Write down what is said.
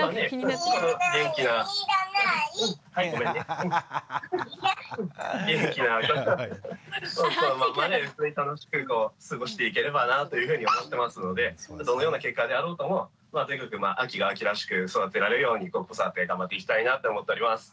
元気なまんまで楽しく過ごしていければなというふうに思ってますのでどのような結果であろうともとにかくまああきがあきらしく育てられるように子育て頑張っていきたいなと思っております。